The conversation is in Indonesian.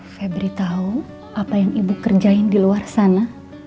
febri tahu apa yang ibu kerjain di luar sana